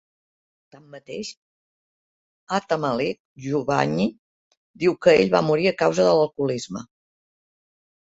Tanmateix, Ata-Malik Juvayni diu que ell va morir a causa de l'alcoholisme.